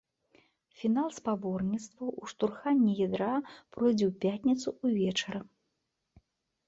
Фінал спаборніцтваў у штурханні ядра пройдзе ў пятніцу ўвечары.